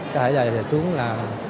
có thể là xuống là